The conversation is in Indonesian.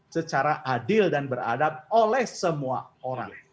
secara adil dan beradab oleh semua orang